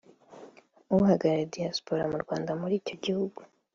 uhagarariye Diaspora Nyarwanda muri icyo gihugu